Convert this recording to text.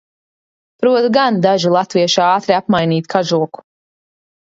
Prot gan daži latvieši ātri apmainīt kažoku!